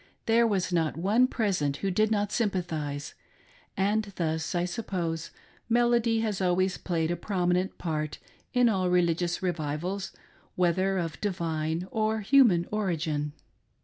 There was not one present who did not sympathise. And thus, I suppose, melody has always played a prominent part in all religious revivals, whether of divine or human origin.